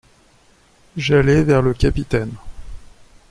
J'allai vers le capitaine.